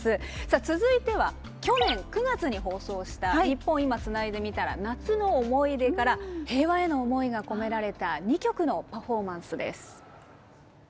続いては去年９月に放送した「ニッポン『今』つないでみたら夏の思い出」から平和への思いが込められた２曲のパフォーマンスです。